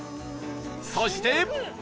そして